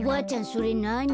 それなに？